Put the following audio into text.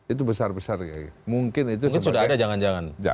itu besar besar mungkin itu sudah ada jangan jangan